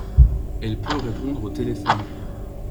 Elle peut répondre au téléphone.